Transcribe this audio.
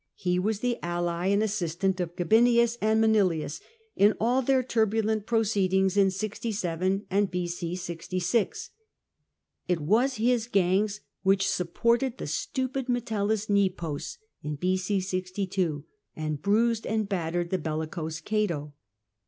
He was the ally and assistant of Gabinius and Manilius in all their turhubmt proceedings in'' 67 and B.C. 66; it was his gangs which supported the stupid Metellus Hepos in b.c. 62, and brui.scd and battered the bellicose Cato.